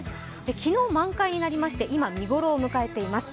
昨日、満開になりまして、今、見頃を迎えています。